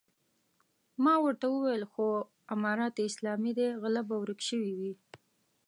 ما ورته وويل خو امارت اسلامي دی غله به ورک شوي وي.